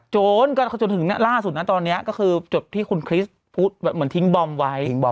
จนจนถึงล่าสุดนะตอนนี้ก็คือจบที่คุณคริสต์พูดเหมือนทิ้งบอมไว้